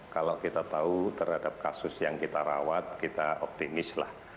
kalau kita tahu terhadap kasus yang kita rawat kita optimis lah